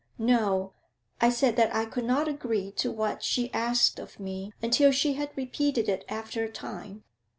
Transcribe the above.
'No. I said that I could not agree to what she asked of me until she had repeated it after a time.